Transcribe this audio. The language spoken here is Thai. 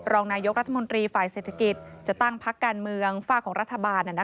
รองนายกรัฐมนตรีฝ่ายเศรษฐกิจจะตั้งพักการเมืองฝากของรัฐบาล